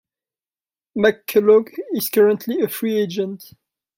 McCullough is currently a free agent.